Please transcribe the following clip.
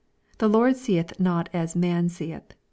'* The Lord seeth not as man seeth.''